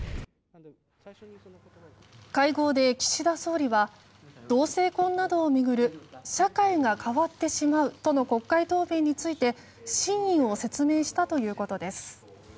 会合で、岸田総理は同性婚などを巡る社会が変わってしまうとの国会答弁について真意を説明したということです。